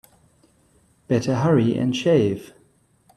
Better hurry and shave.